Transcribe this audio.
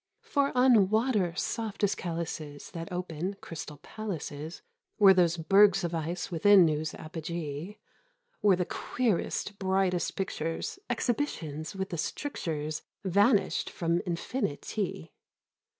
For on water soft as calices That open, Crystal Palaces Were those bergs of ice within whose apogee Were the queerest, brightest pictures — Exhibitions with the strictures Vanished from Infinity.